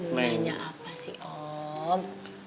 nanya apa sih om